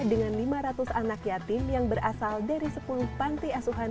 dengan lima ratus anak yatim yang berasal dari sepuluh panti asuhan